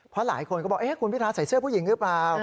เพราะหลายคนก็บอกคุณพิทาใส่เสื้อผู้หญิงหรือเปล่า